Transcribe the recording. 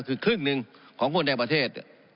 คือครึ่งหนึ่งค่อนแรกประเทศ